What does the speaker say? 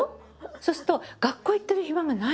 そうすると学校行ってる暇がないのよ。